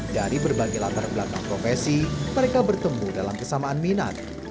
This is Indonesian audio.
dari berbagai latar belakang profesi mereka bertemu dalam kesamaan minat